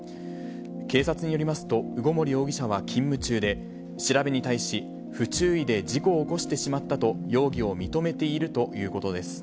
警察によりますと、鵜篭容疑者は勤務中で、調べに対し、不注意で事故を起こしてしまったと、容疑を認めているということです。